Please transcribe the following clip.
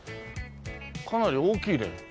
かなり大きいね。